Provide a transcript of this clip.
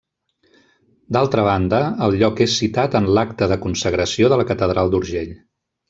D'altra banda, el lloc és citat en l'acta de consagració de la catedral d'Urgell.